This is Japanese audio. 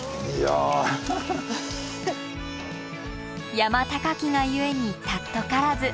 山高きが故に貴からず。